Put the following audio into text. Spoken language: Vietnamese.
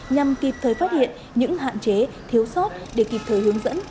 nhằm kịp thời phát hiện những hạn chế thiếu sót để kịp thời hướng dẫn